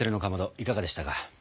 いかがでしたか？